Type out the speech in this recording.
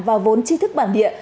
và vốn chi thức bản địa